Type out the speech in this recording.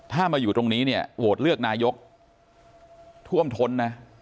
ถ้ามาอยู่ตรงนี้เนี่ยโหวตเลือกนายกท่วมท้นนะ